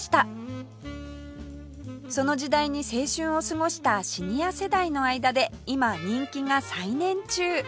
その時代に青春を過ごしたシニア世代の間で今人気が再燃中